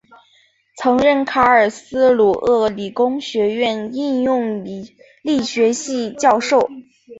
曾任卡尔斯鲁厄理工学院应用力学系教授。